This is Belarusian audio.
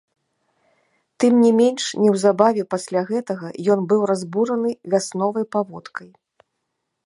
Тым не менш, неўзабаве пасля гэтага ён быў разбураны вясновай паводкай.